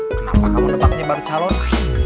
kenapa kamu tempatnya baru calon